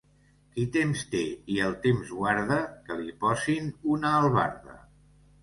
Qui temps té i el temps guarda, que li posin una albarda.